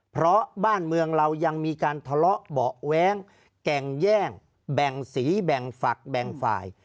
เพราะบ้านเมืองเรายังมีการทะเลาะเบาะแว้งแก่งแย่งแบ่งสีแบ่งฝักแบ่งฝ่าย